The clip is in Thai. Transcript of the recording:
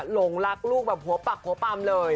หลงรักลูกแบบหัวปักหัวปำเลย